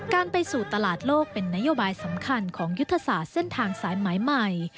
การไปสู่ตลาดโลกเป็นนโยบายสำคัญของยุทธศาสตร์เส้นทางสายหมายใหม่